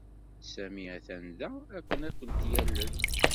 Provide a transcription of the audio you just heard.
Sami atan da akken ad kent-yalel.